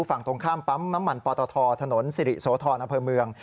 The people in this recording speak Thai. ฝั่งตรงข้ามปั๊มน้ำมันปตทถนนสิริโสธรอำเภอเมือง